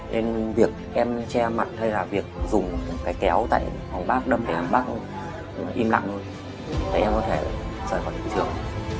nên việc em che mặt hay là việc dùng cái kéo tại phòng bác đâm em bác im lặng thôi để em có thể rời khỏi hiện trường